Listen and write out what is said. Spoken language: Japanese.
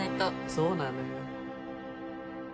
そうなのよ。